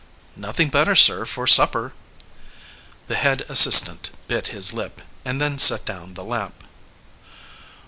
"Nothing better, sir, for supper." The head assistant bit his lip, and then set down the lamp.